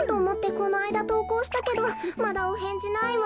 このあいだとうこうしたけどまだおへんじないわ。